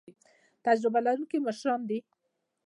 تجربه لرونکي مشران دي